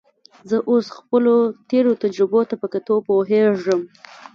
زه اوس خپلو تېرو تجربو ته په کتو پوهېږم.